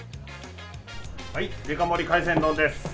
デカ盛り海鮮丼です。